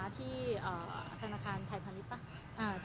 ที่ธนาคารไทยพาณิช